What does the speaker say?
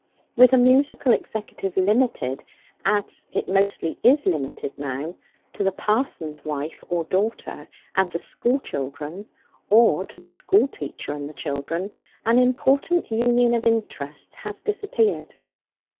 With a musical executive limited, as it mostly is limited now, to the parson's wife or daughter and the school children, or to the school teacher and the children, an important union of interests has disappeared.